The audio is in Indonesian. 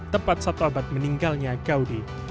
tepat satu abad meninggalnya gaudi